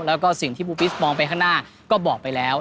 แล้วก็สิ่งที่ปูปิสมองไปข้างหน้าก็บอกไปแล้ว